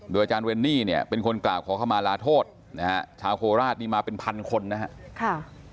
โดยอาจารย์เวนนี่เป็นคนกล่าวขอขมาลาโทษนะฮะชาวโคราชนี่มาเป็นพันคนนะฮะ